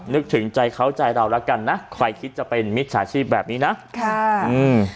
นึกถึงใจเขาใจเราแล้วกันนะใครคิดจะเป็นมิจฉาชีพแบบนี้นะค่ะอืม